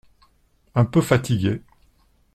Un peu fatigué.